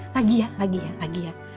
lagi ya lagi ya lagi ya